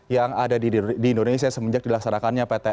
yang ada di indonesia semenjak dilaksanakan